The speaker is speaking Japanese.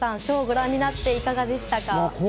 今日、ご覧になっていかがでしたか？